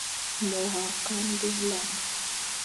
Mor a kandé nlan.